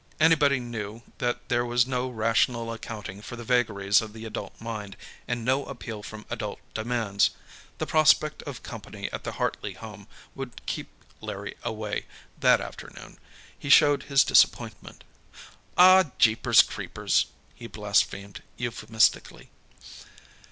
Anybody knew that there was no rational accounting for the vagaries of the adult mind, and no appeal from adult demands. The prospect of company at the Hartley home would keep Larry away, that afternoon. He showed his disappointment. "Aw, jeepers creepers!" he blasphemed euphemistically.